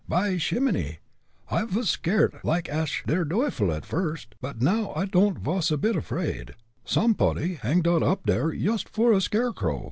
"By shimminy I vas skeardt like ash der duyfel at first, put now I don'd vas a bit afraid. Somepody hang dot up there yoost for a scare crow.